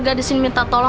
masuk deh lo